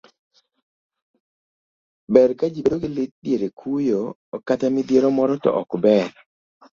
ber ka ji bedo gi lit diere kuyo kata midhiero moro to ok ber